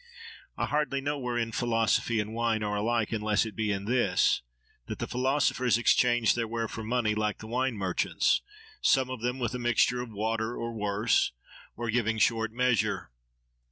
I hardly know wherein philosophy and wine are alike unless it be in this, that the philosophers exchange their ware for money, like the wine merchants; some of them with a mixture of water or worse, or giving short measure.